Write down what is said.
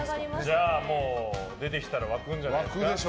じゃあもう出てきたら沸くんじゃないですか。